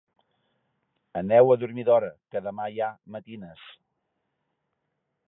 Aneu a dormir d'hora, que demà hi ha matines.